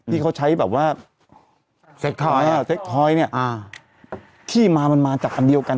ที่เขาใช้แบบว่าเซ็กทอยอ่ะเซ็กทอยเนี่ยอ่าที่มามันมาจากอันเดียวกัน